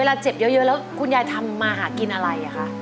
เวลาเจ็บเยอะแล้วคุณยายทำมาหากินอะไรคะ